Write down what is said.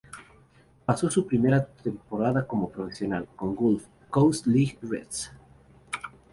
Pasó su primera temporada como profesional, con Gulf Coast League Reds.